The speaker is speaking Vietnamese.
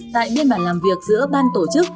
tại biên bản làm việc giữa ban tổ chức